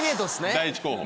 第１候補。